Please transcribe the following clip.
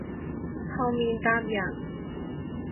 後面搭人